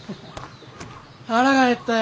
腹が減ったよ。